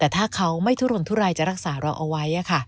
แต่ถ้าเขาไม่ทุรนทุรายจะรักษาเราเอาไว้